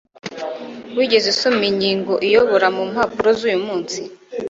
wigeze usoma ingingo iyobora mu mpapuro zuyu munsi